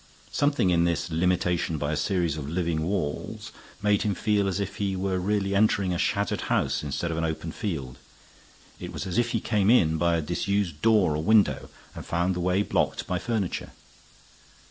Something in this limitation by a series of living walls made him feel as if he were really entering a shattered house instead of an open field. It was as if he came in by a disused door or window and found the way blocked by furniture.